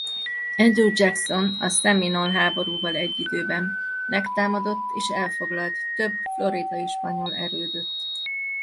Andrew Jackson a szeminol háborúval egy időben megtámadott és elfoglalt több floridai spanyol erődöt.